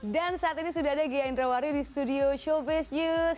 dan saat ini sudah ada ghea indrawari di studio showbiz news